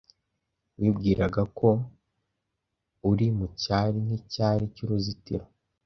wibwiraga ko uri mucyari nkicyari cyuruzitiro